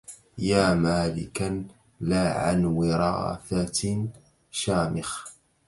يا مالكا لا عن وراثة شامخ